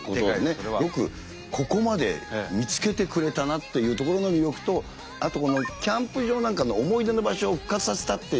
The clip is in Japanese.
よくここまで見つけてくれたなっていうところの魅力とあとこのキャンプ場なんかの思い出の場所を復活させたという。